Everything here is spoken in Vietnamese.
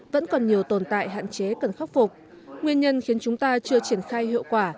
vẫn còn nhiều tồn tại hạn chế cần khắc phục nguyên nhân khiến chúng ta chưa triển khai hiệu quả